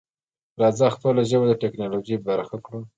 راځه خپله ژبه د ټکنالوژۍ برخه کړو.